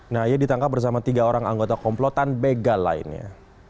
nah ia ditangkap bersama tiga orang anggota komplotan begal lainnya